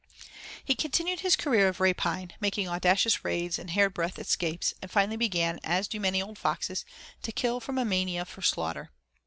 He continued his career of rapine, making audacious raids and hair breadth escapes, and finally began, as do many old foxes, to kill from a mania for slaughter.